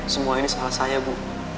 semua ini salah saya bu